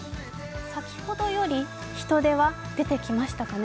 先ほどより人出は出てきましたかね。